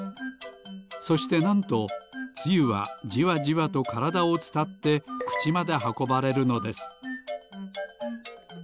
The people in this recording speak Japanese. そしてなんとつゆはじわじわとからだをつたってくちまではこばれるのです。